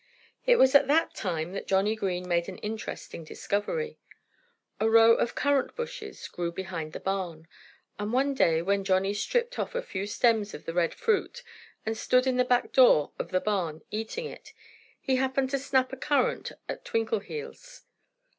It was at that time that Johnnie Green made an interesting discovery. A row of currant bushes grew behind the barn. And one day when Johnnie stripped off a few stems of the red fruit and stood in the back door of the barn, eating it, he happened to snap a currant at Twinkleheels.